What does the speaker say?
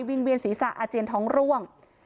เวียนศีรษะอาเจียนท้องร่วง